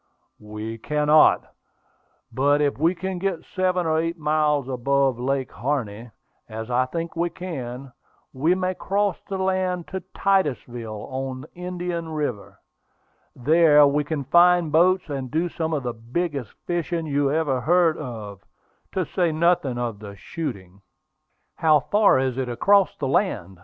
"We cannot; but if we can get seven or eight miles above Lake Harney, as I think we can, we may cross the land to Titusville, on Indian River. There we can find boats, and do some of the biggest fishing you ever heard of, to say nothing of the shooting." "How far is it across the land?"